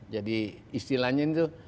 jadi istilahnya itu